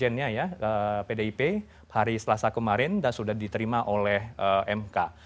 sekjennya ya pdip hari selasa kemarin dan sudah diterima oleh mk